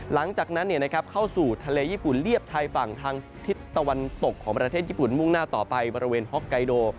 หลังจากนั้นเข้าสู่ทะเลญี่ปุ่นเรียบชายฝั่งทางทิศตะวันตกของประเทศญี่ปุ่นมุ่งหน้าต่อไปบริเวณฮอกไกโด